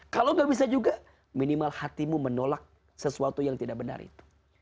kalau gak bisa juga minimal hatimu menolak sesuatu yang tidak benar itu